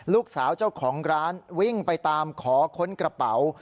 ลูกสาวเจ้าของร้านวิ่งไปตามขอค้นกระเป๋า